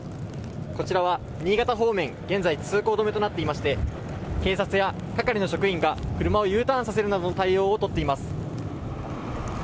こちらは新潟方面、現在、通行止めとなっていまして、警察や係の職員が、車をＵターンさせるなどの対応を取っています。